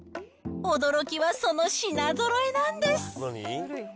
驚きは、その品ぞろえなんです。